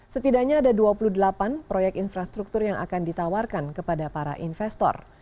setidaknya ada dua puluh delapan proyek infrastruktur yang akan ditawarkan kepada para investor